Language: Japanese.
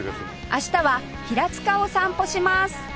明日は平塚を散歩します